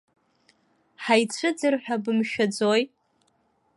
Ҳаицәыӡыр ҳәа бымшәаӡои?